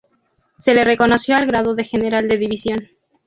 Se le reconoció el grado de general de División.